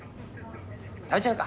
食べちゃうか。